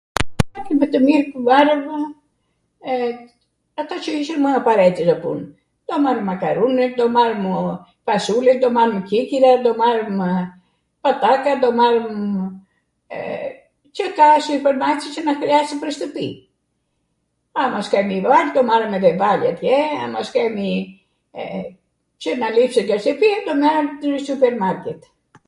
tw mir qw marwmw, ato qw ishwn mw aparetita pun, do marwmw makarune, do marwmw fasule, do marwm qiqwra, do marwmw patate, do marwmw Cw ka supermarketi qw na hriaset nw shtwpi. Ama s'kemi val do marwmw val atje, ama s'kemi ... Cw na lipset nga shtwpia do marwmw nw supermarket.